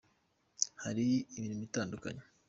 hari imirimo itandukanye.